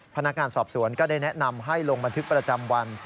พนักงานสอบสวนก็ได้แนะนำให้ลงบันทึกประจำวัน